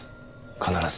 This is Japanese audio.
必ず。